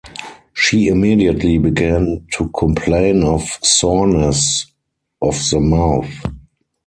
She immediately began to complain of soreness of the mouth.